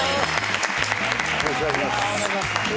よろしくお願いします。